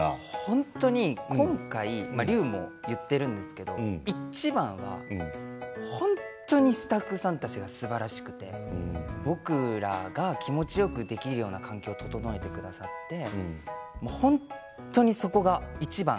本当に今回隆も言っているんですけどいちばんは本当にスタッフさんたちがすばらしくて僕らが気持ちよくできるような環境を整えてくださって本当にそこがいちばん。